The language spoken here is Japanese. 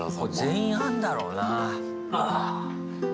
全員あんだろうな。